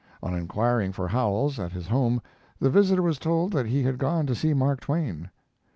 On inquiring for Howells, at his home, the visitor was told that he had gone to see Mark Twain.